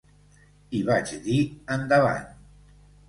I vaig dir: 'Endavant.